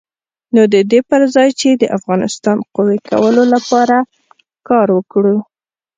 نو د دې پر ځای چې د افغانستان قوي کولو لپاره کار وکړو.